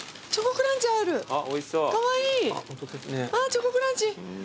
チョコクランチある！